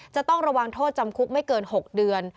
จะต้องระวังโทษจำคุกไม่เกิน๖เดือน